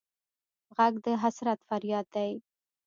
غږ د حسرت فریاد دی